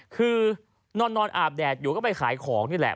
คือนอนอาบแดดอยู่ก็ไปขายของนี่แหละ